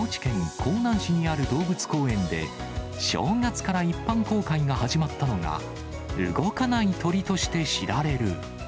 江南市にある動物公園で、正月から一般公開が始まったのが、動かない鳥として知られる。